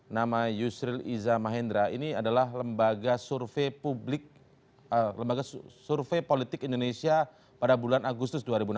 nama yusril iza mahendra ini adalah lembaga survei publik lembaga survei politik indonesia pada bulan agustus dua ribu enam belas